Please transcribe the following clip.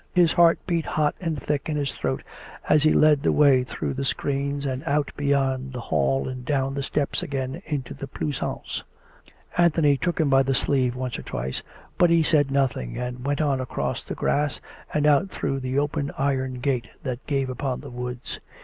His heart beat hot and thick in his throat as he led the way through the screens and out beyond the hall and down the steps again into the pleasaunce. Anthony took him by the sleeve once or twice, but he said nothing, and went on across the grass, and out through the open iron gate that gave upon the woods.